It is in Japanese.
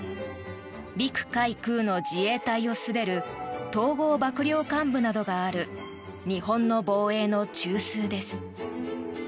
陸海空の自衛隊を統べる統合幕僚監部などがある日本の防衛の中枢です。